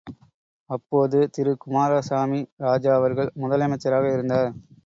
அப்போது திரு குமாரசாமி ராஜா அவர்கள் முதலமைச்சராக இருந்தார்.